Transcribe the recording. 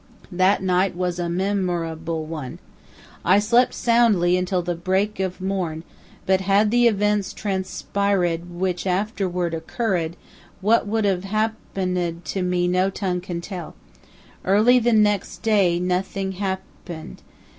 That night was a me mor able one. I slept soundly until the break of morn, but had the events transpired which afterward occur red, what would have hap pen ed to me no tongue can tell. Early the next day nothing hap pened.